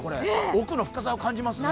奥の深さを感じますね。